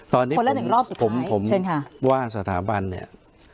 ตอนนี้ผมว่าสถาบันเนี่ย